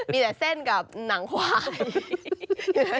มีแต่เส้นกับหนังควาย